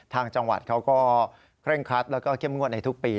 ทางจังหวัดเขาก็เคร่งครัดแล้วก็เข้มงวดในทุกปี